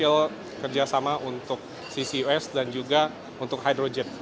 skill kerjasama untuk ccus dan juga untuk hydrogen